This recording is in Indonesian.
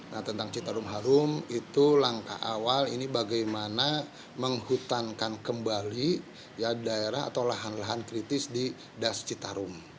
nah tentang citarum harum itu langkah awal ini bagaimana menghutankan kembali daerah atau lahan lahan kritis di das citarum